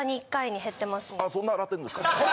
あそんな洗ってるんですか。